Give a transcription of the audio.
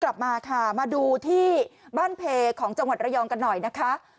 กลับมาค่ะมาดูที่บ้านเพของจังหวัดระยองกันหน่อยนะคะ